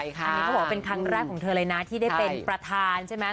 อันนี้เขาบอกว่าเป็นครั้งแรกของเธอเลยนะที่ได้เป็นประธานใช่ไหม